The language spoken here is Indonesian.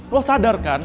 lo sadar kan